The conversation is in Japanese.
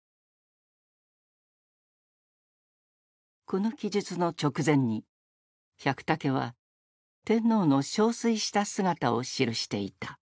この記述の直前に百武は天皇の憔悴した姿を記していた。